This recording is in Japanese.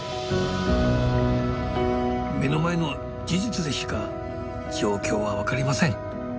目の前の事実でしか状況は分かりません。